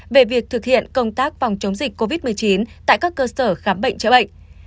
về việc thực hiện công tác phòng chống dịch covid một mươi chín tại các cơ sở khám bệnh chữa bệnh